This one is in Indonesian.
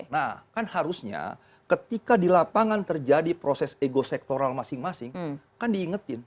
nah kan harusnya ketika di lapangan terjadi proses ego sektoral masing masing kan diingetin